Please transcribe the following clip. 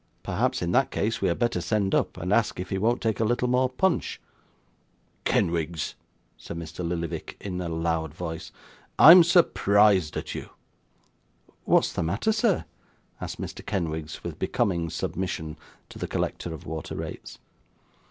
Perhaps, in that case, we'd better send up and ask if he won't take a little more punch.' 'Kenwigs!' said Mr. Lillyvick, in a loud voice, 'I'm surprised at you.' 'What's the matter, sir?' asked Mr. Kenwigs, with becoming submission to the collector of water rates.